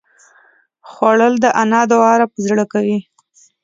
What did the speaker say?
خوړل د انا دعا راپه زړه کوي